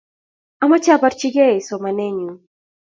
Amache aporchi key somanennyu